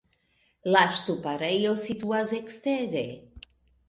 La ŝtuparejo situas ekstere.